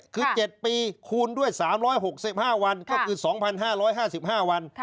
คือ๗ปีคูณด้วย๓๖๕วันก็คือ๒๕๕๕วัน